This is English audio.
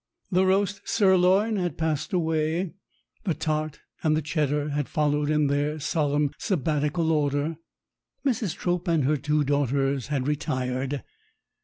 The roast sirloin had passed away, the tart and the Cheddar had followed in their solemn Sabbatical order. Mrs. Trope and her two daughters had retired.